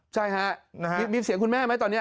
ใช่ฮะมีเสียงคุณแม่ไหมตอนนี้